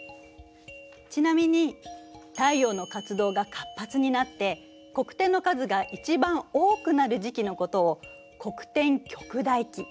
ちなみに太陽の活動が活発になって黒点の数が一番多くなる時期のことを黒点極大期。